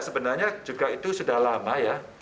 sebenarnya juga itu sudah lama ya